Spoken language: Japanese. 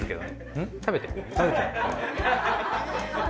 うん食べてる。